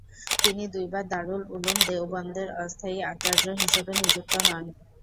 তিনি দুইবার দারুল উলূম দেওবন্দের অস্থায়ী আচার্য হিসাবে নিযুক্ত হন।